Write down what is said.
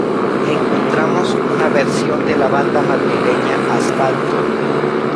Encontramos una versión de la banda madrileña Asfalto.